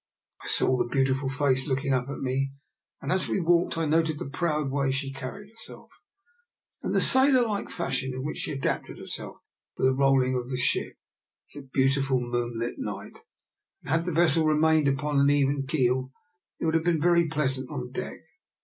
I saw the beautiful face looking up at me, and as we walked I noted the proud way she carried herself, and the sailor like fashion in which she adapted herself to the rolling of the ship. It was a beautiful moonlight night, and had the vessel remained upon an even keel, it would have been very pleasant on deck.